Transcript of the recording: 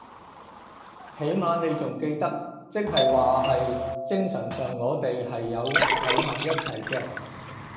起碼妳仲記得，即係話係精神上我哋係有喺埋一齊嘅